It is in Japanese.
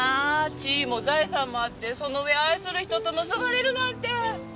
地位も財産もあってその上愛する人と結ばれるなんて！